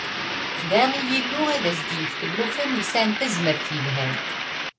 Tedɛa i Yillu ad as-d-yefk llufan yesɛan tazmert yelhan.